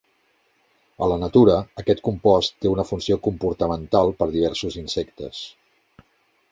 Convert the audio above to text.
A la natura, aquest compost té una funció comportamental per diversos insectes.